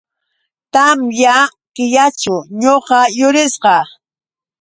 Tamya killaćhu ñuqa yurisqa.